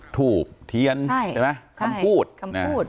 ถูกเทียมคำพูด